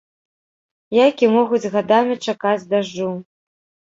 Яйкі могуць гадамі чакаць дажджу.